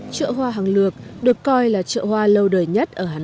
chợ hoa hàng lược được coi là chợ hoa lâu đời nhất ở hà nội